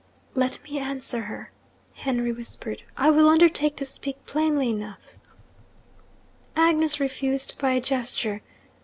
'Let me answer her,' Henry whispered. 'I will undertake to speak plainly enough.' Agnes refused by a gesture.